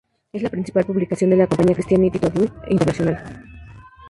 Es la principal publicación de la compañía Christianity Today International.